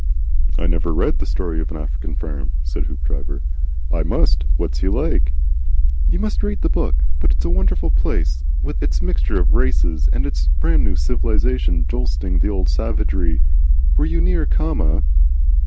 "I never read 'The Story of an African Farm,'" said Hoopdriver. "I must. What's he like?" "You must read the book. But it's a wonderful place, with its mixture of races, and its brand new civilisation jostling the old savagery. Were you near Khama?"